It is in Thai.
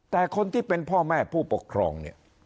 แต่คนที่เป็นพ่อแม่ผู้ปกครองเนี่ย